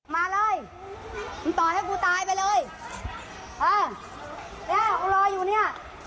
มาเลยมึงต่อให้กูตายไปเลยเออเนี้ยกูรออยู่เนี่ย